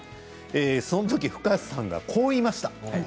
そのときＦｕｋａｓｅさんがこう言いました。